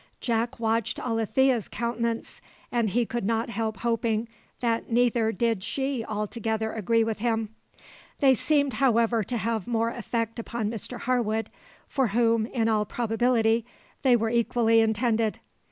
Jack watched Alethea's countenance, and he could not help hoping that neither did she altogether agree with him. They seemed, however, to have more effect upon Mr Harwood, for whom, in all probability, they were equally intended.